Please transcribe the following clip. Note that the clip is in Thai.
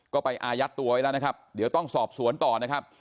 ก็ไปอายัดตัวไว้แล้วนะครับเดี๋ยวต้องสอบสวนต่อนะครับ